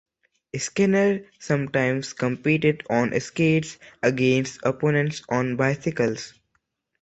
Skinner sometimes competed on skates against opponents on bicycles.